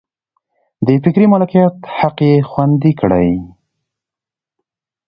د فکري مالکیت حق یې خوندي کړي.